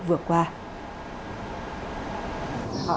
đối tượng kiều văn tiến